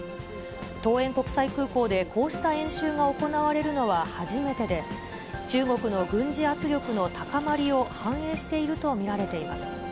桃園国際空港でこうした演習が行われるのは初めてで、中国の軍事圧力の高まりを反映していると見られています。